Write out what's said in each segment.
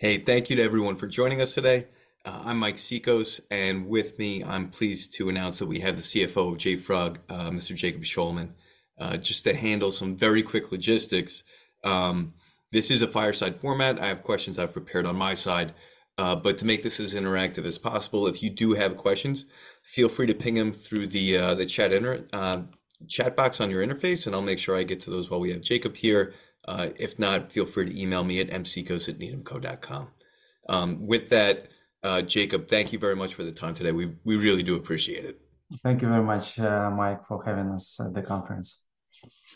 Hey, thank you to everyone for joining us today. I'm Mike Cikos, and with me, I'm pleased to announce that we have the CFO of JFrog, Mr. Jacob Shulman. Just to handle some very quick logistics, this is a fireside format. I have questions I've prepared on my side, but to make this as interactive as possible, if you do have questions, feel free to ping them through the chat box on your interface, and I'll make sure I get to those while we have Jacob here. If not, feel free to email me at mcikos@needhamco.com. With that, Jacob, thank you very much for the time today. We really do appreciate it. Thank you very much, Mike, for having us at the conference.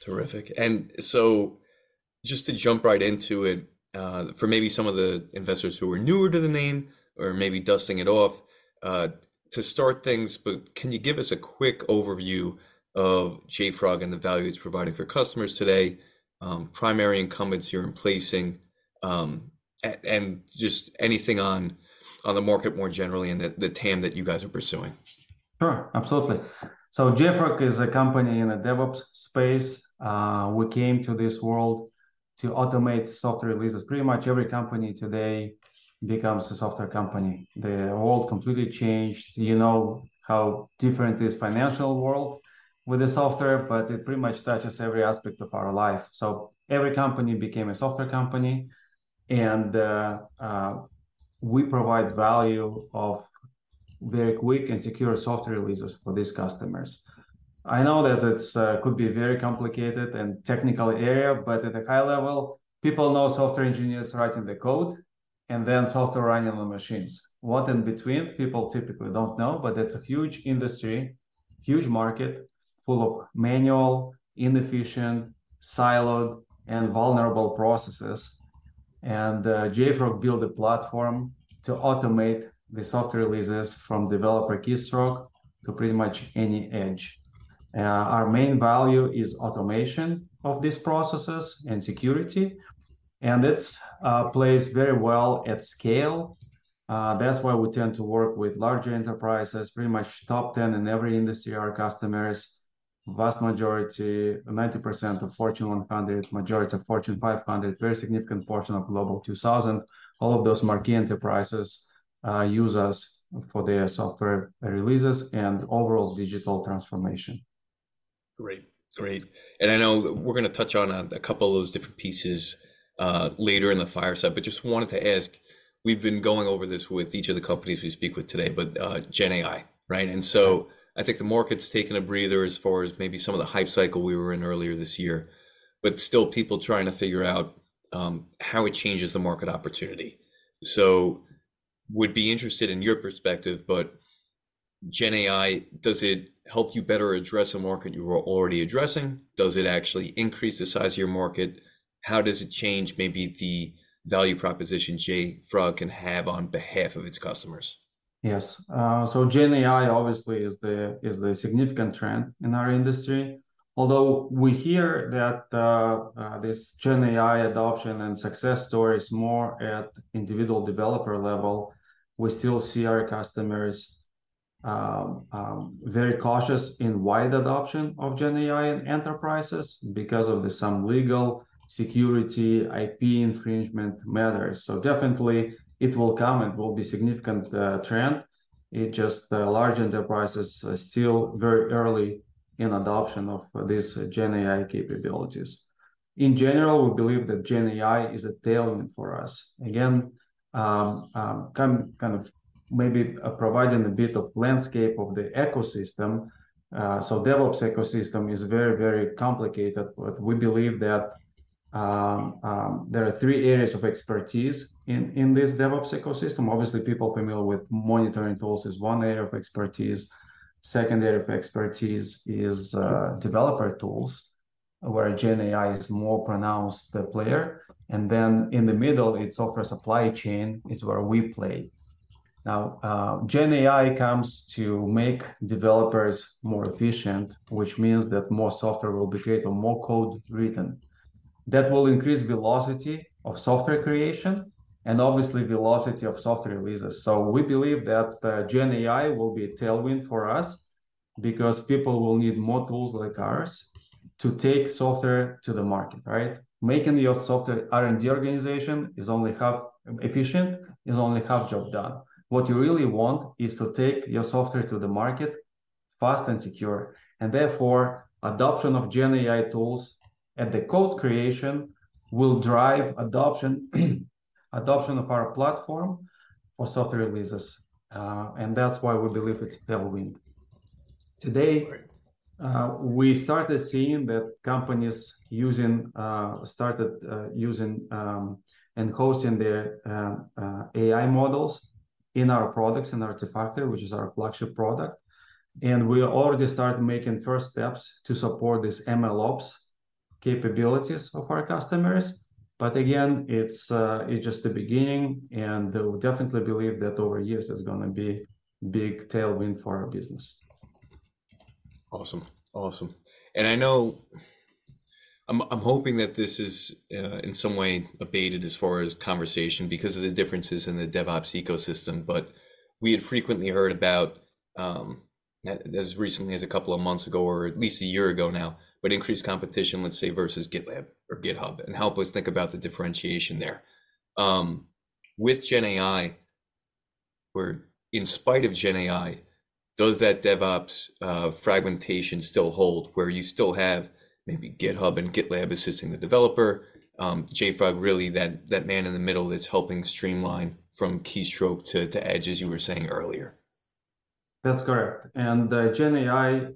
Terrific. And so just to jump right into it, for maybe some of the investors who are newer to the name or maybe dusting it off, to start things, but can you give us a quick overview of JFrog and the value it's providing for customers today, primary incumbents you're replacing, and just anything on the market more generally, and the TAM that you guys are pursuing? Sure, absolutely. So JFrog is a company in the DevOps space. We came to this world to automate software releases. Pretty much every company today becomes a software company. The world completely changed. You know how different is financial world with the software, but it pretty much touches every aspect of our life. So every company became a software company, and we provide value of very quick and secure software releases for these customers. I know that it could be a very complicated and technical area, but at a high level, people know software engineers writing the code and then software running on machines. What in between, people typically don't know, but that's a huge industry, huge market, full of manual, inefficient, siloed, and vulnerable processes. And JFrog built a platform to automate the software releases from developer keystroke to pretty much any edge. Our main value is automation of these processes and security, and it's plays very well at scale. That's why we tend to work with larger enterprises. Pretty much top 10 in every industry are our customers. Vast majority, 90% of Fortune 100, majority of Fortune 500, very significant portion of Global 2000, all of those marquee enterprises, use us for their software releases and overall digital transformation. Great. Great, and I know we're gonna touch on a couple of those different pieces, later in the fireside, but just wanted to ask, we've been going over this with each of the companies we speak with today, but, GenAI, right? And so I think the market's taken a breather as far as maybe some of the hype cycle we were in earlier this year, but still people trying to figure out, how it changes the market opportunity. So would be interested in your perspective, but GenAI, does it help you better address a market you were already addressing? Does it actually increase the size of your market? How does it change maybe the value proposition JFrog can have on behalf of its customers? Yes. So GenAI obviously is the significant trend in our industry. Although we hear that, this GenAI adoption and success story is more at individual developer level, we still see our customers, very cautious in wide adoption of GenAI in enterprises because of the some legal, security, IP infringement matters. So definitely it will come and will be significant, trend. It just, large enterprises are still very early in adoption of these GenAI capabilities. In general, we believe that GenAI is a tailwind for us. Again, kind of maybe providing a bit of landscape of the ecosystem, so DevOps ecosystem is very, very complicated, but we believe that, there are three areas of expertise in this DevOps ecosystem. Obviously, people familiar with monitoring tools is one area of expertise. Second area of expertise is, developer tools, where GenAI is more pronounced the player, and then in the middle, it's software supply chain, is where we play. Now, GenAI comes to make developers more efficient, which means that more software will be created or more code written. That will increase velocity of software creation and obviously velocity of software releases. So we believe that, GenAI will be a tailwind for us because people will need more tools like ours to take software to the market, right? Making your software R&D organization is only half efficient, is only half job done. What you really want is to take your software to the market fast and secure, and therefore, adoption of GenAI tools at the code creation will drive adoption, adoption of our platform for software releases. And that's why we believe it's tailwind. Today- Great... we started seeing that companies started using and hosting their AI models in our products, in Artifactory, which is our flagship product, and we are already start making first steps to support these MLOps capabilities of our customers. But again, it's just the beginning, and we definitely believe that over years it's gonna be big tailwind for our business. Awesome. Awesome, and I know I'm, I'm hoping that this is in some way abated as far as conversation because of the differences in the DevOps ecosystem, but we had frequently heard about as recently as a couple of months ago, or at least a year ago now, but increased competition, let's say, versus GitLab or GitHub, and help us think about the differentiation there. With GenAI, where in spite of GenAI, does that DevOps fragmentation still hold, where you still have maybe GitHub and GitLab assisting the developer, JFrog, really that man in the middle that's helping streamline from keystroke to edge, as you were saying earlier? That's correct. And GenAI,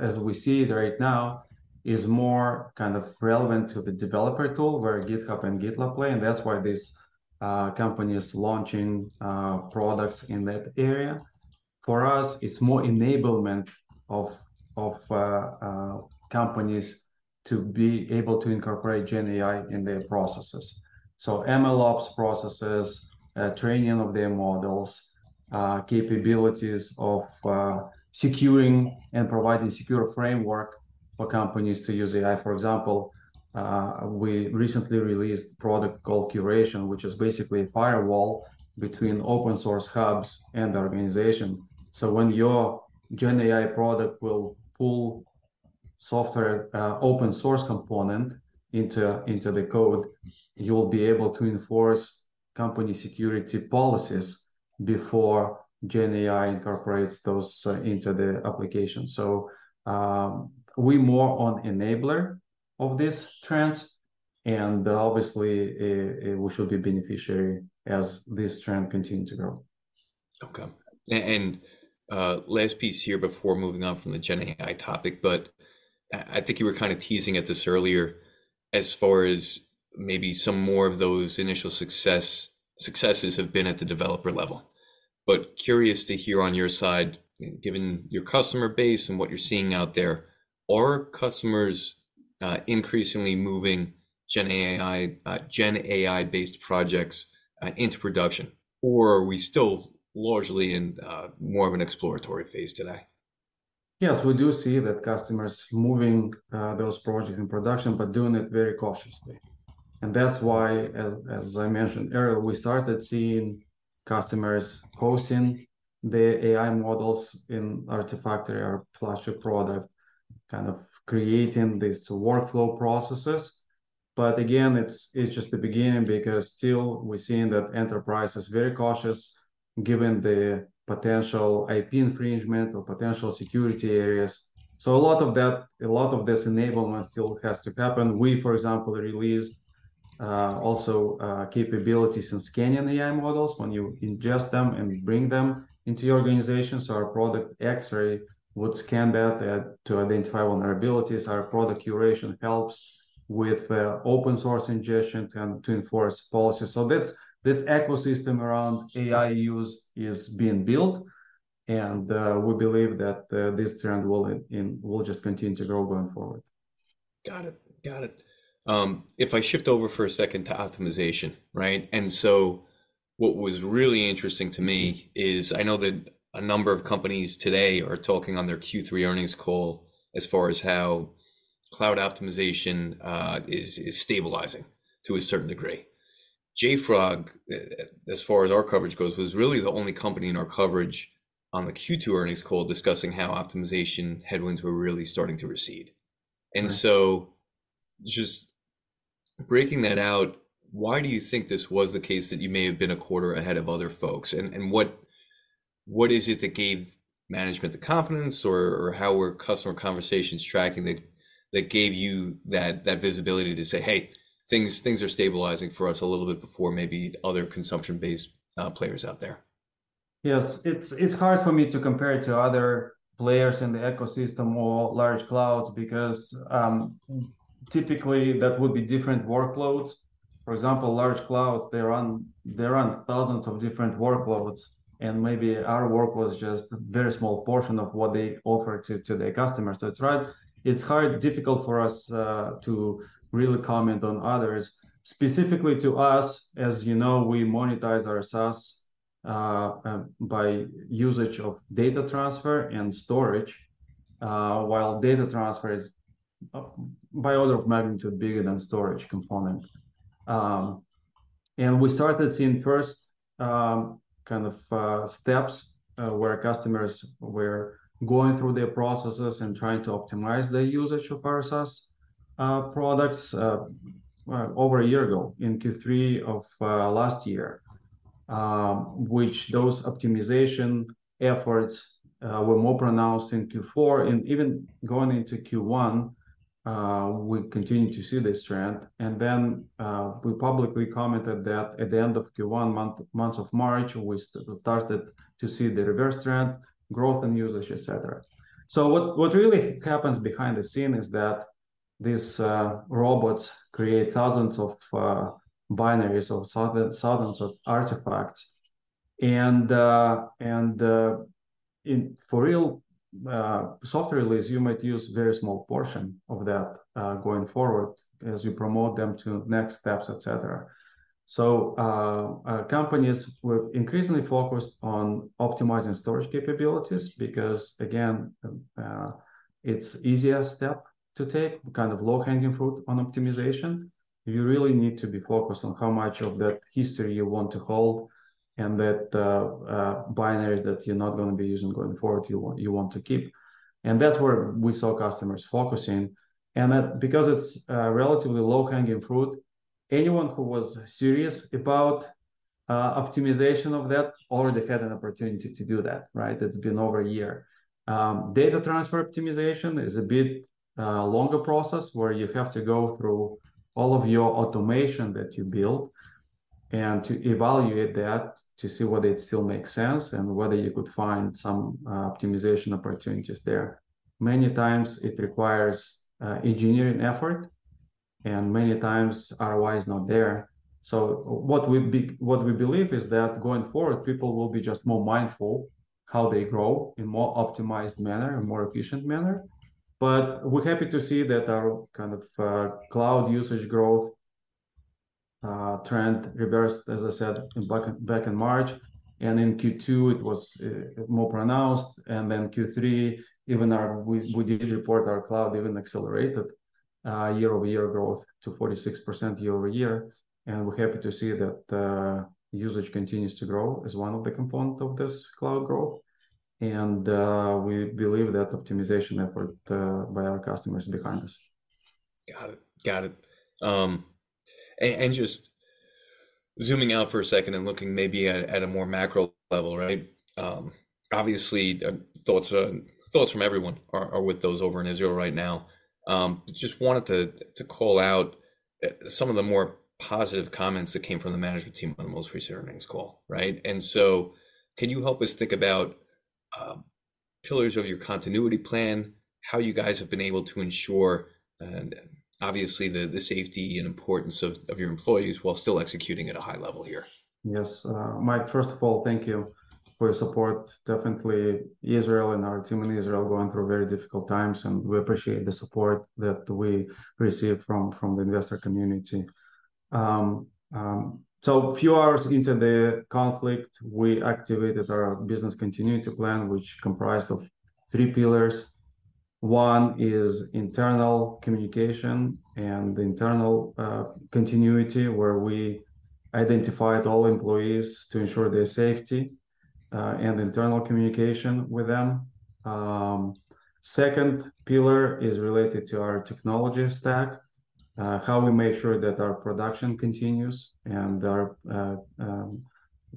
as we see it right now, is more kind of relevant to the developer tool, where GitHub and GitLab play, and that's why this company is launching products in that area. For us, it's more enablement of companies to be able to incorporate GenAI in their processes. So MLOps processes, training of their models, capabilities of securing and providing secure framework for companies to use AI. For example, we recently released a product called curation, which is basically a firewall between open source hubs and organization. So when your GenAI product will pull software, open source component into the code, you'll be able to enforce company security policies before GenAI incorporates those into the application. We're more of an enabler of this trend, and obviously, we should be a beneficiary as this trend continues to grow. Okay. And, last piece here before moving on from the GenAI topic, but I think you were kind of teasing at this earlier as far as maybe some more of those initial successes have been at the developer level. But curious to hear on your side, given your customer base and what you're seeing out there, are customers increasingly moving GenAI GenAI-based projects into production, or are we still largely in more of an exploratory phase today? Yes, we do see that customers moving, those projects in production, but doing it very cautiously. And that's why, as I mentioned earlier, we started seeing customers hosting their AI models in Artifactory, our flagship product, kind of creating these workflow processes. But again, it's just the beginning because still we're seeing that enterprise is very cautious given the potential IP infringement or potential security areas. So a lot of that, a lot of this enablement still has to happen. We, for example, released, also, capabilities in scanning the AI models when you ingest them and bring them into your organization, so our product, Xray, would scan that, to identify vulnerabilities. Our product, Curation, helps with, open-source ingestion and to enforce policies. So that's this ecosystem around AI use is being built, and we believe that this trend will just continue to grow going forward. Got it. Got it. If I shift over for a second to optimization, right? And so what was really interesting to me is I know that a number of companies today are talking on their Q3 earnings call as far as how cloud optimization is stabilizing to a certain degree. JFrog, as far as our coverage goes, was really the only company in our coverage on the Q2 earnings call discussing how optimization headwinds were really starting to recede. Right. And so just breaking that out, why do you think this was the case, that you may have been a quarter ahead of other folks? And what is it that gave management the confidence, or how were customer conversations tracking that gave you that visibility to say, "Hey, things are stabilizing for us a little bit," before maybe other consumption-based players out there? Yes, it's hard for me to compare it to other players in the ecosystem or large clouds because typically, that would be different workloads. For example, large clouds, they run thousands of different workloads, and maybe our work was just a very small portion of what they offer to their customers. So it's hard, difficult for us to really comment on others. Specifically to us, as you know, we monetize our SaaS by usage of data transfer and storage, while data transfer is by order of magnitude bigger than storage component. And we started seeing first kind of steps where customers were going through their processes and trying to optimize their usage of our SaaS products over a year ago, in Q3 of last year. With those optimization efforts were more pronounced in Q4, and even going into Q1, we continue to see this trend. And then we publicly commented that at the end of Q1, in the month of March, we started to see the reverse trend, growth in usage, et cetera. So what really happens behind the scenes is that these robots create thousands of binaries or thousands of artifacts. And in a real software release, you might use a very small portion of that going forward as you promote them to next steps, et cetera. So companies were increasingly focused on optimizing storage capabilities because, again, it's an easier step to take, kind of low-hanging fruit on optimization. You really need to be focused on how much of that history you want to hold and that binaries that you're not gonna be using going forward, you want, you want to keep. And that's where we saw customers focusing. And because it's relatively low-hanging fruit, anyone who was serious about optimization of that already had an opportunity to do that, right? It's been over a year. Data transfer optimization is a bit longer process, where you have to go through all of your automation that you built, and to evaluate that to see whether it still makes sense and whether you could find some optimization opportunities there. Many times it requires engineering effort, and many times ROI is not there. So what we believe is that going forward, people will be just more mindful how they grow in more optimized manner, a more efficient manner. But we're happy to see that our cloud usage growth trend reversed, as I said, back in March, and in Q2 it was more pronounced, and then Q3, even we did report our cloud even accelerated year-over-year growth to 46% year-over-year, and we're happy to see that usage continues to grow as one of the component of this cloud growth. And we believe that optimization effort by our customers behind us. Got it. Got it. And just zooming out for a second and looking maybe at a more macro level, right? Obviously, thoughts from everyone are with those over in Israel right now. Just wanted to call out some of the more positive comments that came from the management team on the most recent earnings call, right? And so can you help us think about pillars of your continuity plan, how you guys have been able to ensure obviously the safety and importance of your employees while still executing at a high level here? Yes. Mike, first of all, thank you for your support. Definitely, Israel and our team in Israel are going through very difficult times, and we appreciate the support that we receive from, from the investor community. So a few hours into the conflict, we activated our business continuity plan, which comprised of three pillars. One is internal communication and internal continuity, where we identified all employees to ensure their safety, and internal communication with them. Second pillar is related to our technology stack, how we make sure that our production continues and our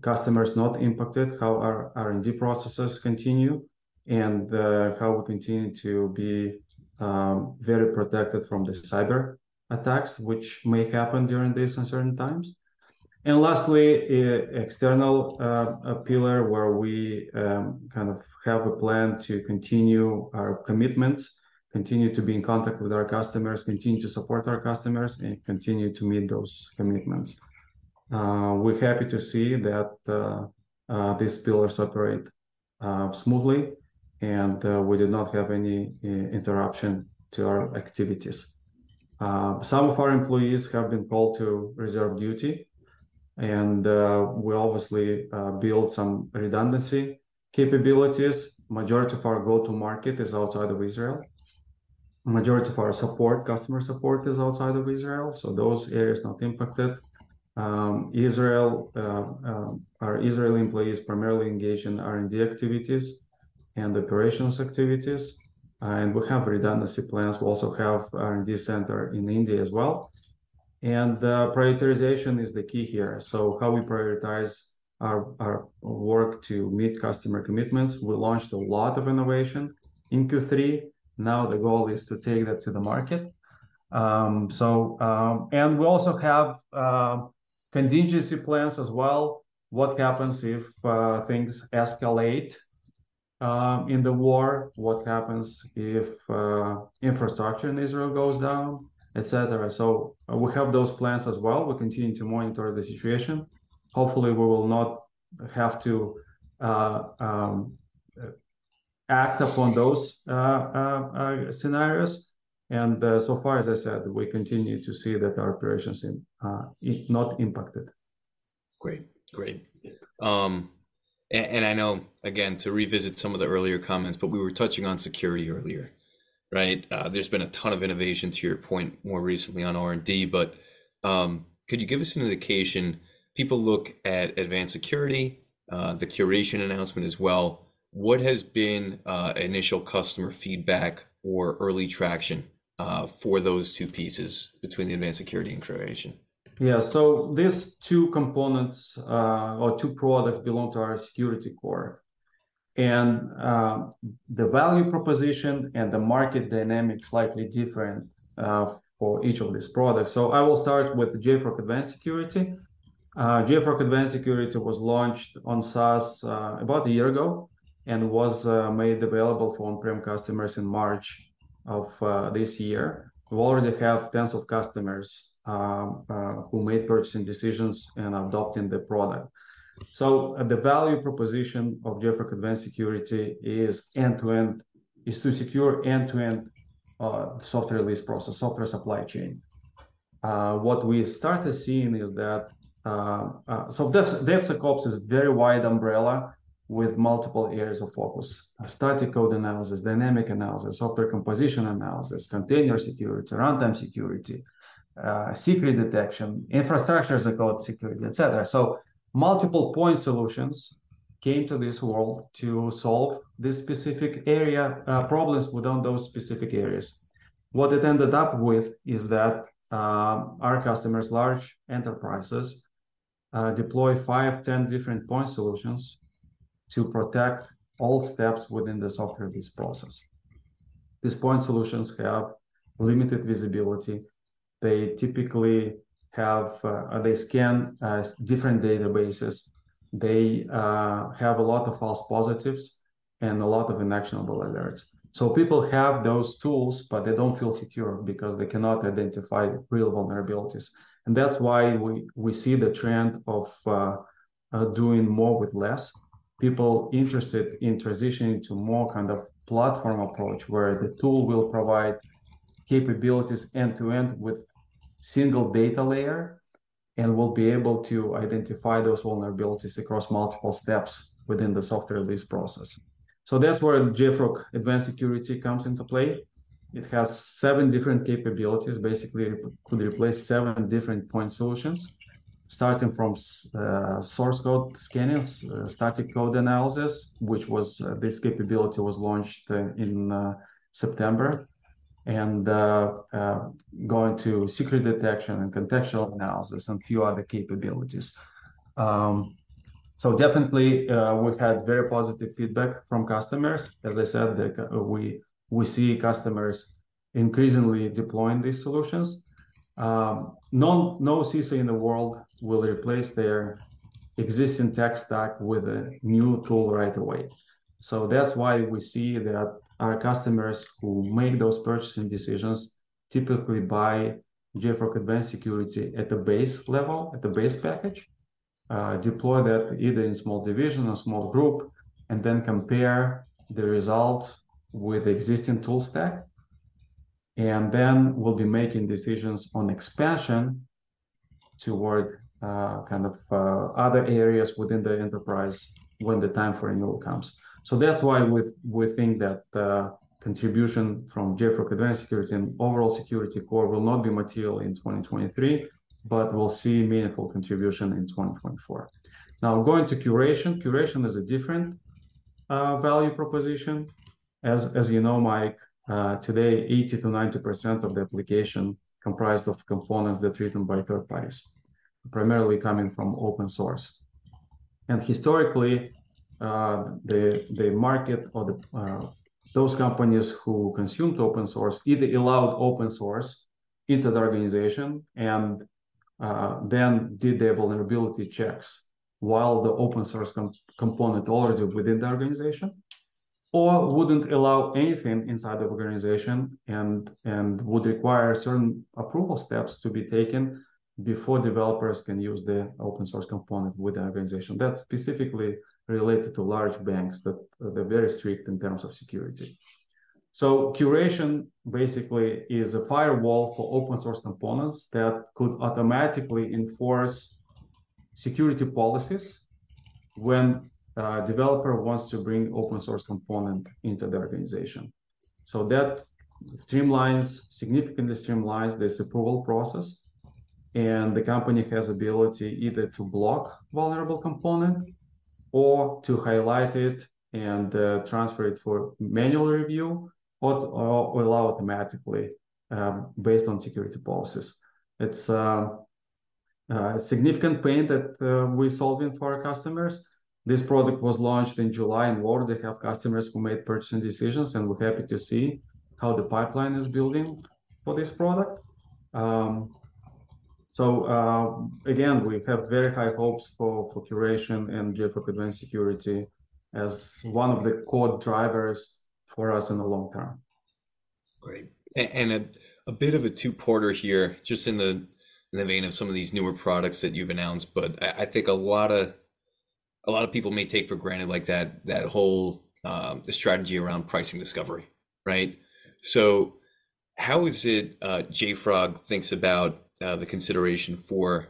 customers not impacted, how our R&D processes continue, and how we continue to be very protected from the cyberattacks, which may happen during this uncertain times. Lastly, an external pillar, where we kind of have a plan to continue our commitments, continue to be in contact with our customers, continue to support our customers, and continue to meet those commitments. We're happy to see that these pillars operate smoothly, and we did not have any interruption to our activities. Some of our employees have been called to reserve duty, and we obviously built some redundancy capabilities. Majority of our go-to-market is outside of Israel. Majority of our support, customer support is outside of Israel, so those areas not impacted. Israel, our Israeli employees primarily engaged in R&D activities and operations activities, and we have redundancy plans. We also have R&D center in India as well, and prioritization is the key here. So how we prioritize our work to meet customer commitments. We launched a lot of innovation in Q3. Now the goal is to take that to the market. And we also have contingency plans as well. What happens if things escalate in the war? What happens if infrastructure in Israel goes down, et cetera? So we have those plans as well. We're continuing to monitor the situation. Hopefully, we will not have to act upon those scenarios. And so far, as I said, we continue to see that our operations in Israel, not impacted. Great. Great. And I know, again, to revisit some of the earlier comments, but we were touching on security earlier, right? There's been a ton of innovation, to your point, more recently on R&D, but could you give us an indication? People look at Advanced Security, the Curation announcement as well. What has been initial customer feedback or early traction for those two pieces between the Advanced Security and Curation? Yeah. So these two components, or two products belong to our security core, and, the value proposition and the market dynamic is slightly different, for each of these products. So I will start with the JFrog Advanced Security. JFrog Advanced Security was launched on SaaS, about a year ago and was, made available for on-prem customers in March of, this year. We already have tens of customers, who made purchasing decisions and adopting the product. So the value proposition of JFrog Advanced Security is end-to-end- is to secure end-to-end, software release process, software supply chain. What we started seeing is that, So DevSecOps is a very wide umbrella with multiple areas of focus: static code analysis, dynamic analysis, software composition analysis, container security, runtime security, secret detection, infrastructure as a code security, et cetera. So multiple point solutions came to this world to solve this specific area problems within those specific areas. What it ended up with is that our customers, large enterprises, deploy five, 10 different point solutions to protect all steps within the software release process. These point solutions have limited visibility. They typically have they scan different databases. They have a lot of false positives and a lot of inactionable alerts. So people have those tools, but they don't feel secure because they cannot identify real vulnerabilities, and that's why we see the trend of doing more with less. People interested in transitioning to more kind of platform approach, where the tool will provide capabilities end-to-end with single data layer, and will be able to identify those vulnerabilities across multiple steps within the software release process. So that's where JFrog Advanced Security comes into play. It has seven different capabilities, basically could replace seven different point solutions, starting from source code scanning, static code analysis, which was, this capability was launched in September, and going to secret detection and contextual analysis, and a few other capabilities. So definitely, we've had very positive feedback from customers. As I said, we, we see customers increasingly deploying these solutions. No, no CISO in the world will replace their existing tech stack with a new tool right away. So that's why we see that our customers who make those purchasing decisions typically buy JFrog Advanced Security at the base level, at the base package. Deploy that either in small division or small group, and then compare the results with existing tool stack, and then we'll be making decisions on expansion toward, kind of, other areas within the enterprise when the time for annual comes. So that's why we think that contribution from JFrog Advanced Security and overall security core will not be material in 2023, but we'll see meaningful contribution in 2024. Now, going to Curation. Curation is a different value proposition. As you know, Mike, today, 80%-90% of the application comprised of components that written by third parties, primarily coming from open source. Historically, the market or those companies who consumed open source either allowed open source into the organization and then did their vulnerability checks while the open source component already within the organization, or wouldn't allow anything inside the organization and would require certain approval steps to be taken before developers can use the open source component with the organization. That's specifically related to large banks, that they're very strict in terms of security. Curation basically is a firewall for open source components that could automatically enforce security policies when a developer wants to bring open source component into the organization. So that streamlines, significantly streamlines this approval process, and the company has ability either to block vulnerable component or to highlight it and transfer it for manual review, or allow automatically, based on security policies. It's a significant pain that we're solving for our customers. This product was launched in July, and already they have customers who made purchasing decisions, and we're happy to see how the pipeline is building for this product. So, again, we have very high hopes for curation and JFrog Advanced Security as one of the core drivers for us in the long term. Great. And a bit of a two-parter here, just in the vein of some of these newer products that you've announced, but I think a lot of people may take for granted like that whole strategy around pricing discovery, right? So how is it JFrog thinks about the consideration for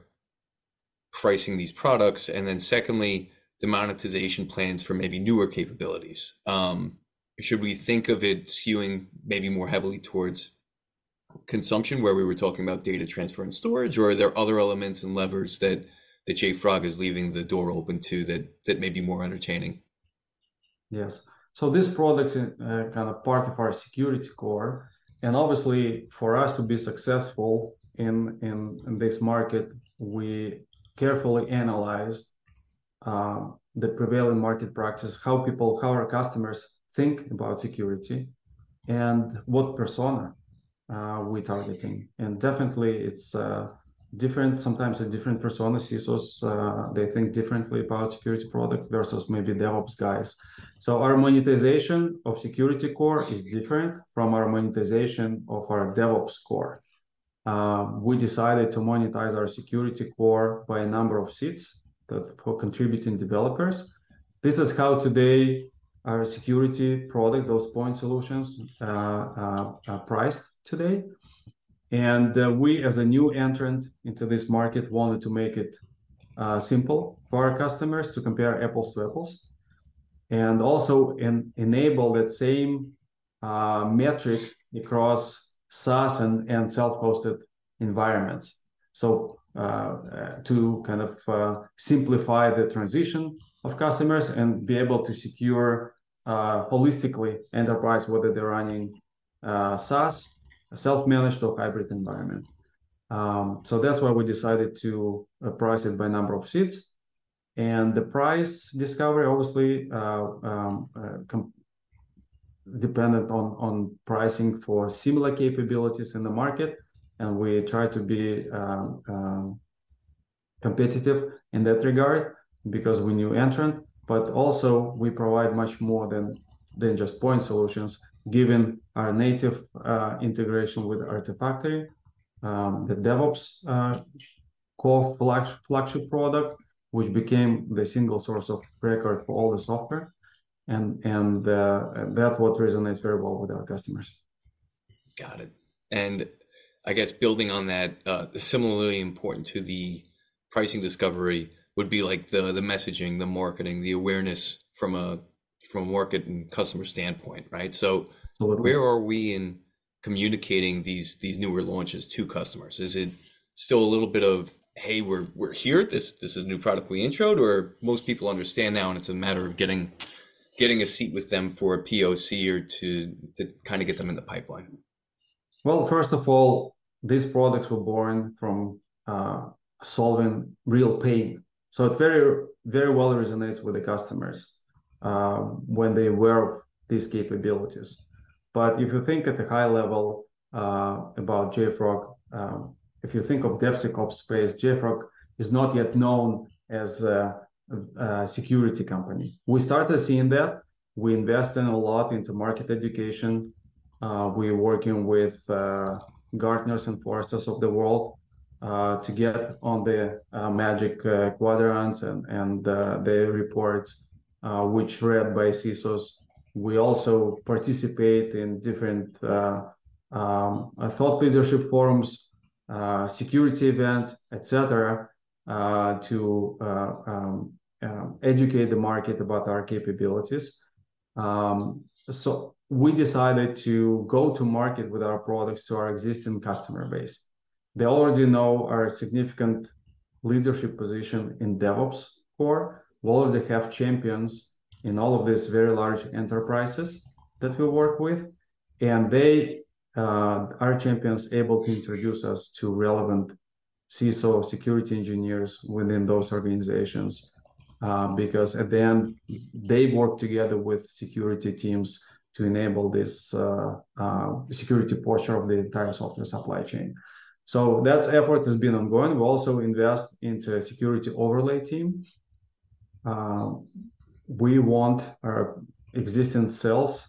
pricing these products, and then secondly, the monetization plans for maybe newer capabilities? Should we think of it skewing maybe more heavily towards consumption, where we were talking about data transfer and storage, or are there other elements and levers that JFrog is leaving the door open to that may be more entertaining? Yes. So this product's kind of part of our security core, and obviously, for us to be successful in this market, we carefully analyzed the prevailing market practice, how people, how our customers think about security and what persona we targeting. And definitely, it's different, sometimes a different persona. CISOs they think differently about security products versus maybe DevOps guys. So our monetization of security core is different from our monetization of our DevOps core. We decided to monetize our security core by a number of seats that for contributing developers. This is how today our security product, those point solutions, are priced today. And we, as a new entrant into this market, wanted to make it simple for our customers to compare apples to apples.... and also enable that same metric across SaaS and self-hosted environments. So, to kind of simplify the transition of customers and be able to secure holistically enterprise, whether they're running SaaS, a self-managed or hybrid environment. So that's why we decided to price it by number of seats. And the price discovery, obviously, dependent on pricing for similar capabilities in the market, and we try to be competitive in that regard because we're new entrant, but also we provide much more than just point solutions, given our native integration with Artifactory, the DevOps core flagship product, which became the single source of record for all the software. And that what resonates very well with our customers. Got it. And I guess building on that, similarly important to the pricing discovery would be like the messaging, the marketing, the awareness from a market and customer standpoint, right? So- Absolutely.... where are we in communicating these newer launches to customers? Is it still a little bit of, "Hey, we're here. This is a new product we introed," or most people understand now, and it's a matter of getting a seat with them for a POC or to kinda get them in the pipeline? Well, first of all, these products were born from solving real pain, so it very, very well resonates with the customers, when they're aware of these capabilities. But if you think at the high level, about JFrog, if you think of DevSecOps space, JFrog is not yet known as a security company. We started seeing that. We invest in a lot into market education. We're working with, Gartners and Forresters of the world, to get on the, Magic Quadrants and, their reports, which read by CISOs. We also participate in different, thought leadership forums, security events, et cetera, to educate the market about our capabilities. So we decided to go to market with our products to our existing customer base. They already know our significant leadership position in DevOps core. We already have champions in all of these very large enterprises that we work with, and they are champions able to introduce us to relevant CISO security engineers within those organizations. Because at the end, they work together with security teams to enable this security portion of the entire software supply chain. So that effort has been ongoing. We also invest into a security overlay team. We want our existing sales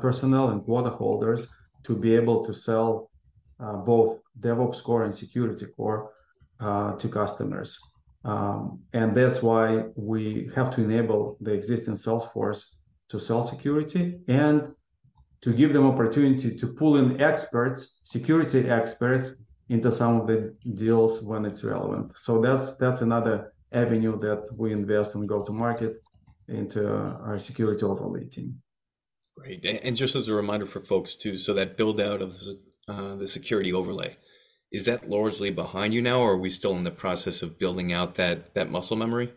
personnel and quota holders to be able to sell both DevOps core and security core to customers. And that's why we have to enable the existing sales force to sell security and to give them opportunity to pull in experts, security experts, into some of the deals when it's relevant. So that's another avenue that we invest and go to market into our security overlay team. Great. And just as a reminder for folks, too, so that build-out of the, the security overlay, is that largely behind you now, or are we still in the process of building out that, that muscle memory?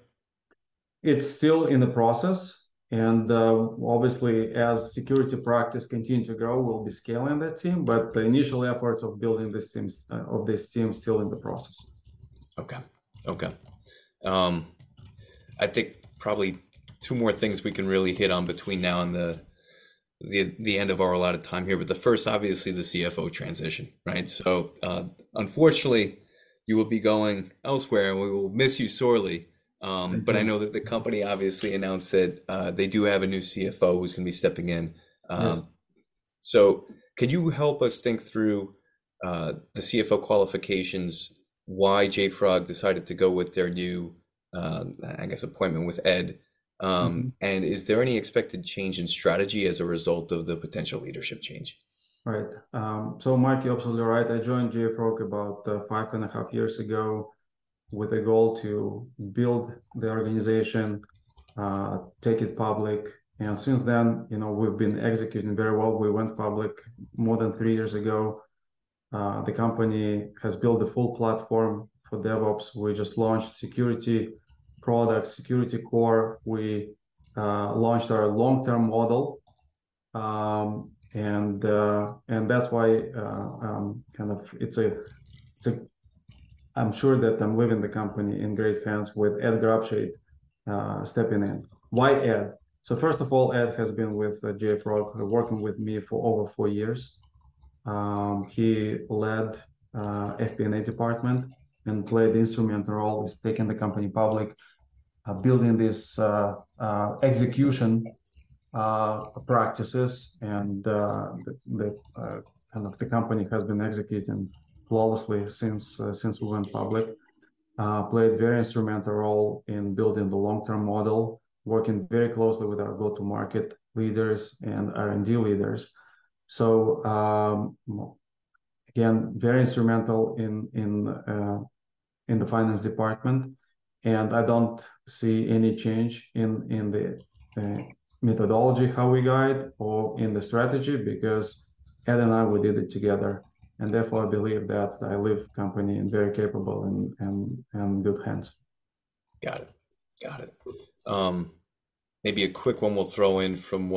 It's still in the process, and obviously, as security practice continue to grow, we'll be scaling that team, but the initial efforts of building this team is still in the process. Okay. Okay. I think probably two more things we can really hit on between now and the end of our allotted time here, but the first, obviously, the CFO transition, right? So, unfortunately, you will be going elsewhere, and we will miss you sorely. Thank you. I know that the company obviously announced that they do have a new CFO who's gonna be stepping in. Yes. So could you help us think through the CFO qualifications, why JFrog decided to go with their new, I guess, appointment with Ed? Mm-hmm. Is there any expected change in strategy as a result of the potential leadership change? Right. So Mike, you're absolutely right. I joined JFrog about 5.5 years ago with a goal to build the organization, take it public, and since then, you know, we've been executing very well. We went public more than three years ago. The company has built a full platform for DevOps. We just launched security products, Security Core. We launched our long-term model. And that's why, kind of, I'm sure that I'm leaving the company in great hands with Ed Grabscheid stepping in. Why Ed? So first of all, Ed has been with JFrog, working with me for over four years. He led FP&A department and played instrumental role with taking the company public, building this execution practices, and the kind of the company has been executing flawlessly since we went public. Played a very instrumental role in building the long-term model, working very closely with our go-to-market leaders and R&D leaders. Again, very instrumental in the finance department, and I don't see any change in the methodology, how we guide or in the strategy, because Ed and I, we did it together, and therefore I believe that I leave company in very capable and good hands. Got it. Got it. Maybe a quick one we'll throw in from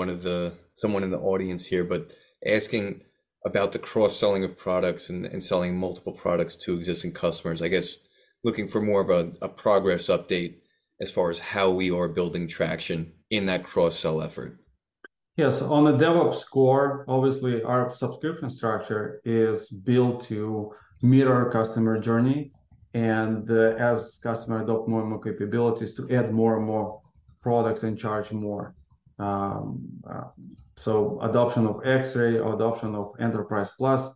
someone in the audience here, but asking about the cross-selling of products and, and selling multiple products to existing customers. I guess looking for more of a, a progress update as far as how we are building traction in that cross-sell effort. Yes, on the DevOps core, obviously, our subscription structure is built to meet our customer journey, and, as customer adopt more and more capabilities, to add more and more products and charge more. So adoption of Xray or adoption of Enterprise Plus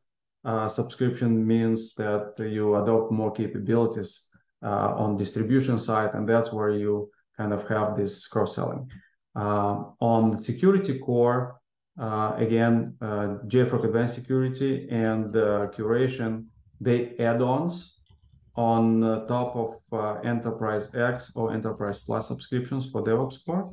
subscription means that you adopt more capabilities on distribution side, and that's where you kind of have this cross-selling. On the security core, again, JFrog Advanced Security and Curation, they add-ons on top of Enterprise X or Enterprise Plus subscriptions for DevOps core.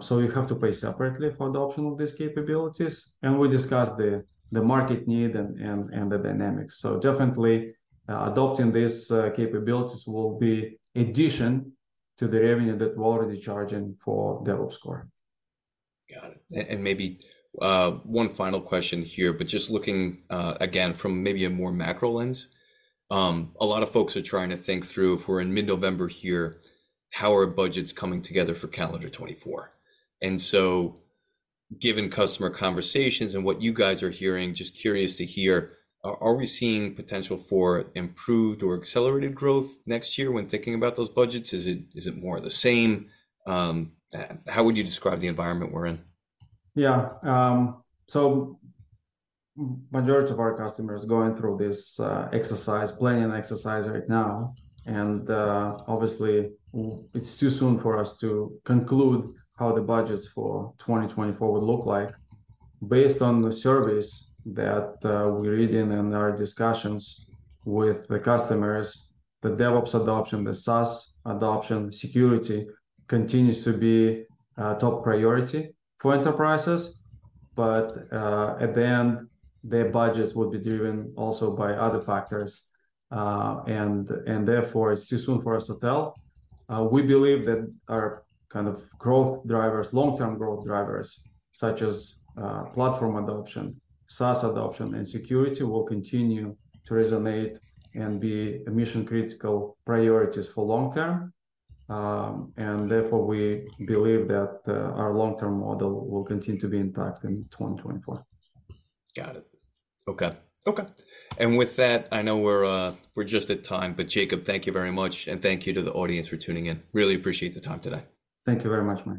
So you have to pay separately for adoption of these capabilities, and we discussed the market need and the dynamics. So definitely, adopting these capabilities will be addition to the revenue that we're already charging for DevOps core. Got it. And maybe one final question here, but just looking again, from maybe a more macro lens, a lot of folks are trying to think through, if we're in mid-November here, how are budgets coming together for calendar 2024? And so given customer conversations and what you guys are hearing, just curious to hear, are we seeing potential for improved or accelerated growth next year when thinking about those budgets? Is it more of the same? How would you describe the environment we're in? Yeah. So majority of our customers are going through this exercise, planning exercise right now, and obviously, it's too soon for us to conclude how the budgets for 2024 would look like. Based on the surveys that we're reading and our discussions with the customers, the DevOps adoption, the SaaS adoption, security continues to be a top priority for enterprises, but at the end, their budgets will be driven also by other factors, and therefore, it's too soon for us to tell. We believe that our kind of growth drivers, long-term growth drivers, such as platform adoption, SaaS adoption, and security, will continue to resonate and be mission-critical priorities for long term. And therefore, we believe that our long-term model will continue to be intact in 2024. Got it. Okay. Okay, and with that, I know we're, we're just at time, but Jacob, thank you very much, and thank you to the audience for tuning in. Really appreciate the time today. Thank you very much, Mike.